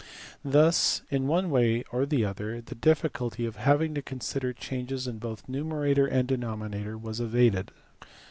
Thus in one way or the other the difficulty of having to consider changes in both numerator and denominator was evaded.